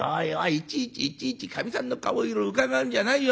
いちいちいちいちかみさんの顔色うかがうんじゃないよ